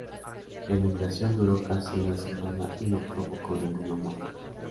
La inundación duró casi una semana y no provocó ninguna muerte.